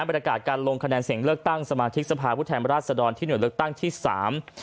บรรยากาศการลงคะแนนเสียงเลือกตั้งสมาธิกสภาพุทธแทนราชดรที่หน่วยเลือกตั้งที่สาม